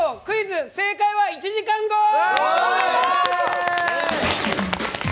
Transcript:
「クイズ☆正解は一時間後」！